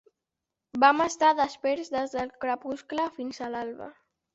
Vam estar desperts des del crepuscle fins a l'alba.